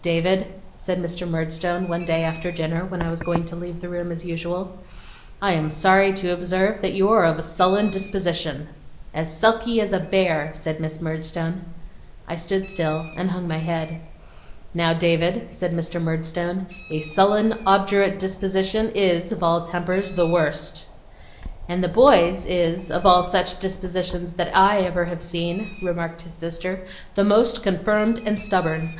'David,' said Mr. Murdstone, one day after dinner when I was going to leave the room as usual; 'I am sorry to observe that you are of a sullen disposition.' 'As sulky as a bear!' said Miss Murdstone. I stood still, and hung my head. 'Now, David,' said Mr. Murdstone, 'a sullen obdurate disposition is, of all tempers, the worst.' 'And the boy's is, of all such dispositions that ever I have seen,' remarked his sister, 'the most confirmed and stubborn.